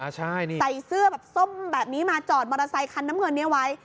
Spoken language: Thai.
ใช่นี่ใส่เสื้อแบบส้มแบบนี้มาจอดมอเตอร์ไซคันน้ำเงินนี้ไว้